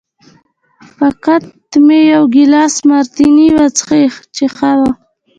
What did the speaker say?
فقط مې یو ګیلاس مارتیني وڅښی چې ښه و.